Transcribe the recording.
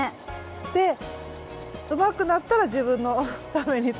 でうまくなったら自分のために作りたい。